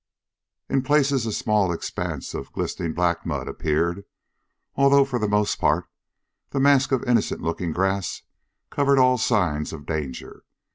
In places a small expanse of glistening black mud appeared, although for the most part the mask of innocent looking grass covered all signs of danger.